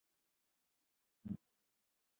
这就是休养生息的政策。